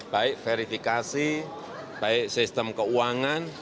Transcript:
baik verifikasi baik sistem keuangan